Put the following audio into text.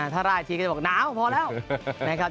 ธราบนี้ก็จะบอกหนาวพอแล้ว